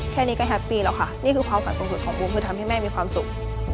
แค่นี้ก็แฮปปี้แล้วค่ะนี่คือความฝันสูงสุดของบูมคือทำให้แม่มีความสุข